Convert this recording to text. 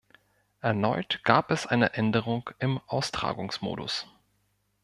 Erneut gab es eine Änderung im Austragungsmodus.